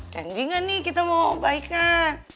janjikan nih kita mau membaikkan